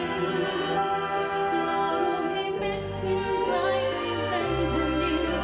กล่อห่วงให้เม็ดที่สายไปเป็นคนเดียว